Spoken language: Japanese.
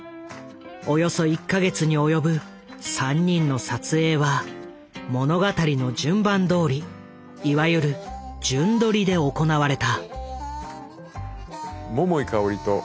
およそ１か月に及ぶ３人の撮影は物語の順番どおりいわゆる「順撮り」で行われた。